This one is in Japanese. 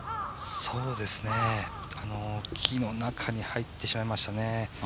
そうですね、木の中に入ってしまいましたね。